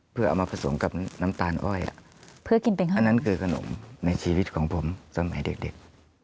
เพื่อเอามาผสมกับน้ำตาลอ้อยอันนั้นคือขนมในชีวิตของผมสมัยเด็ก